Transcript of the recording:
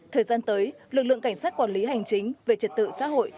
thời gian tới lực lượng cảnh sát quản lý hành chính về trật tự xã hội